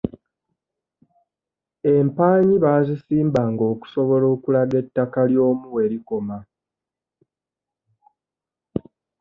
Empaanyi baazisimbanga okusobola okulaga ettaka ly'omu we likoma.